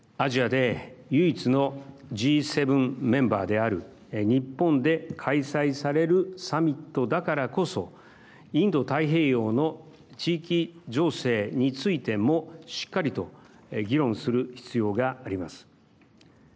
アジアで唯一のＧ７メンバーである日本で開催されるサミットだからこそインド太平洋の地域情勢についてもしっかりと議論する必要があります。